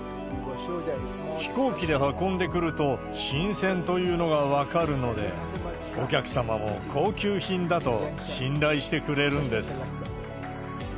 飛行機で運んでくると、新鮮というのが分かるので、お客様も、高級品だと信頼してくれるんです。